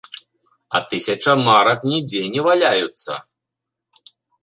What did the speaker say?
А тысяча марак нідзе не валяюцца!